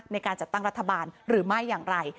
ในการจัดตั้งรัฐบาลหรือไม่อย่างไร